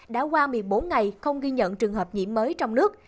đã qua một mươi bốn ngày không ghi nhận trường hợp nhiễm mới trong nước